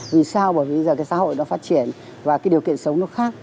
vì sao bởi bây giờ cái xã hội nó phát triển và cái điều kiện sống nó khác